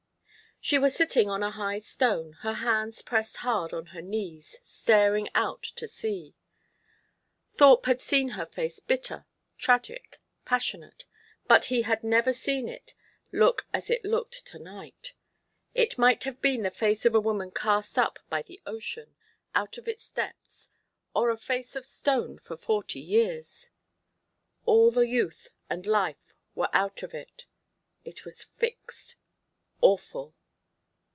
She was sitting on a high stone, her hands pressed hard on her knees, staring out to sea. Thorpe had seen her face bitter, tragic, passionate; but he had never seen it look as it looked to night. It might have been the face of a woman cast up by the ocean, out of its depths, or a face of stone for forty years. All the youth and life were out of it. It was fixed, awful.